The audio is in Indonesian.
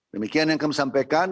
demikian yang kami sampaikan